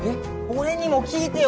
俺にも聞いてよ！